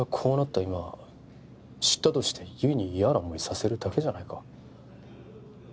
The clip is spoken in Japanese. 今知ったとして悠依に嫌な思いさせるだけじゃないか？